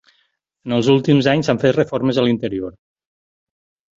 En els últims anys s'han fet reformes a l'interior.